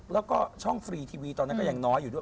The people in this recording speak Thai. แล้วก็ช่องฟรีทีวีตอนนั้นก็ยังน้อยอยู่ด้วย